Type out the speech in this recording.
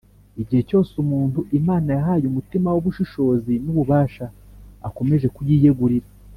igihe cyose umuntu imana yahaye umutima w’ubushishozi n’ububasha akomeje kuyiyegurira,